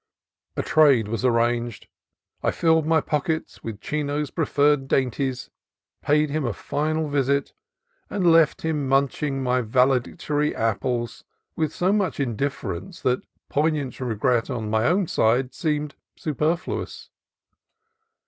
A "trade" was arranged. I filled my pockets with Chino's preferred dainties, paid him a final visit, and left him munching my valedictory apples with so much indifference that poignant regret on my own side seemed superfluous.